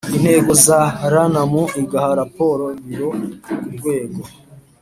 Intego za rnmu igaha raporo biro ku rwego